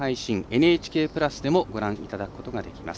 ＮＨＫプラスでもご覧いただくことができます。